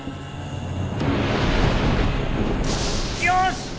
よし！